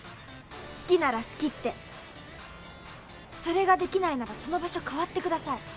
好きなら好きってそれができないならその場所かわってください